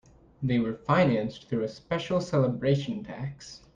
They were financed through a special celebration tax.